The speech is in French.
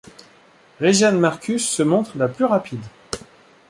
Riejanne Markus se montre la plus rapide.